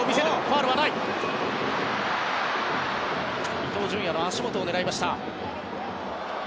伊東純也の足元を狙いました。